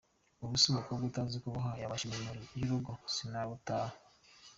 Ubuse umukobwa utazi kuboha yabasha imirimo y’urugo? Sinabutaha.